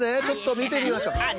ちょっとみてみましょう。